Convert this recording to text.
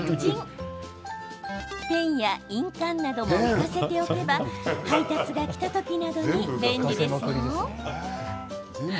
ペンや印鑑なども浮かせておけば配達が来た時などに便利ですよ。